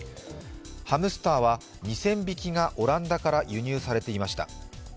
ハムスターは２０００匹がオランダから輸入されていました。